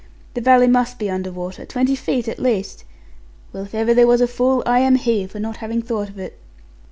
The valley must be under water twenty feet at least. Well, if ever there was a fool, I am he, for not having thought of it.'